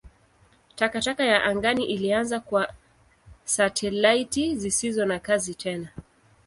Takataka ya angani ilianza kwa satelaiti zisizo na kazi tena.